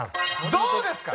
どうですか！